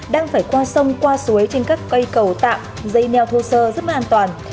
đang phải qua sông qua suối trên các cây cầu tạm dây neo thô sơ rất mất an toàn